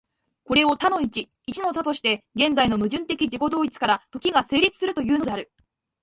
これを多の一、一の多として、現在の矛盾的自己同一から時が成立するというのである。